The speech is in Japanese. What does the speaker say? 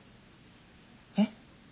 えっ？